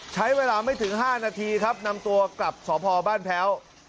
ใช้เวลาไม่ถึง๕นาทีครับนำตัวกลับสพบ้านแพ้ว